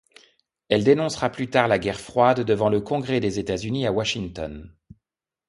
Elle dénoncera plus tard la guerre froide devant le Congrès des États-Unis à Washington.